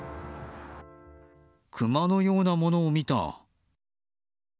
クマのようなものを見た。